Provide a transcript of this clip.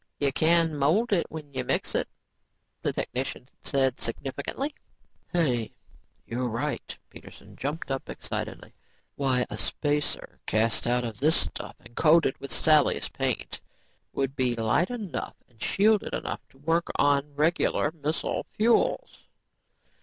"You can mold it when you mix it," the technician said significantly. "Hey, you're right," Peterson jumped up excitedly. "Why, a spacer cast out of this stuff and coated with Sally's paint would be light enough and shielded enough to work on regular missile fuels."